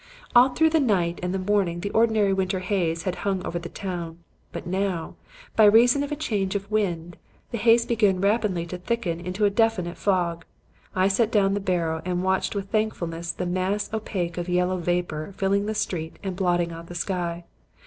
"All through the night and morning the ordinary winter haze had hung over the town; but now, by reason of a change of wind, the haze began rapidly to thicken into a definite fog. I set down the barrow and watched with thankfulness the mass of opaque yellow vapor filling the street and blotting out the sky.